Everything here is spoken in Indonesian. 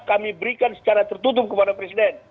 kami berikan secara tertutup kepada presiden